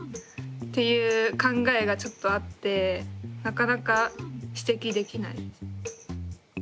っていう考えがちょっとあってなかなか指摘できないです。